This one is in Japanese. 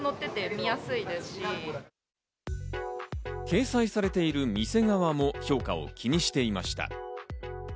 掲載されている店側も評価を気にしていました。